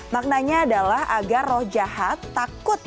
maknanya adalah agar roh jahat takut